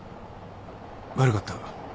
悪かった。